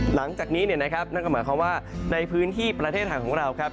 หลังจากนี้เนี่ยนะครับนั่นก็หมายความว่าในพื้นที่ประเทศไทยของเราครับ